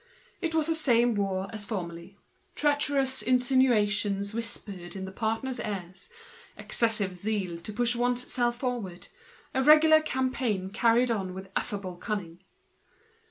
It was the same war as formerly, treacherous insinuations whispered in the partners' ears, an excessive display of zeal in order to push one's self forward, a regular campaign carried on with affable cunning.